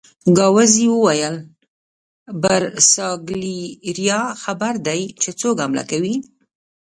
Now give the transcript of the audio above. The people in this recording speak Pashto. ګاووزي وویل: برساګلیریا خبر دي چې څوک حمله کوي؟